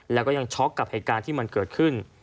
และยังช็อคกับพยายามที่มันเกิดขึ้น